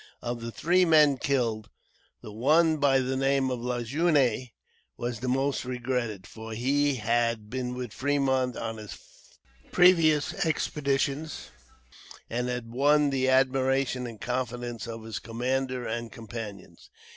Of the three men killed, the one by the name of Lajeunesse was the most regretted, for he had been with Fremont on his previous expeditions, and had won the admiration and confidence of his commander and companions.